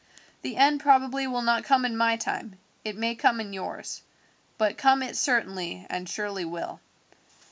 "The end probably will not come in my time, it may come in yours, but come it certainly and surely will.